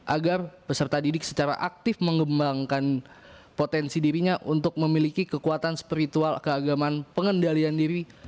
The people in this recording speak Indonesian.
agar peserta didik secara aktif mengembangkan potensi dirinya untuk memiliki kekuatan spiritual keagamaan pengendalian diri